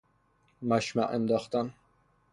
مشمع انداختن